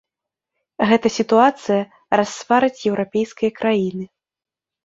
Гэта сітуацыя рассварыць еўрапейскія краіны.